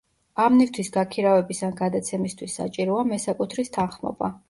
ამ ნივთის გაქირავების ან გადაცემისთვის საჭიროა მესაკუთრის თანხმობა.